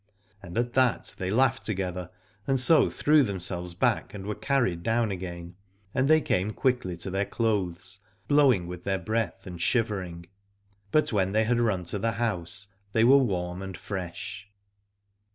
And at that they laughed together and so threw themselves back and were carried down again, and they came quickly to their clothes, blowing with their breath and shiv ering. But when they had run to the house they were warm and fresh.